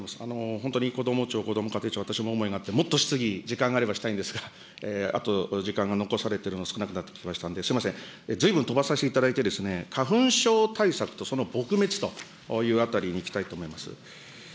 本当にこども庁、こども家庭庁、私ももっと質疑、時間あればしたいんですが、あと時間が残されているの、少なくなってきましたので、すみません、ずいぶん飛ばさせていただいて、花粉症対策とその撲滅というあたりにいきたいと思います。